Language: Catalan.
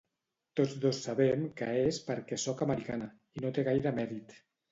Tots dos sabem que és perquè soc americana, i no té gaire mèrit.